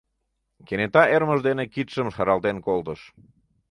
Кенета ӧрмыж дене кидшым шаралтен колтыш: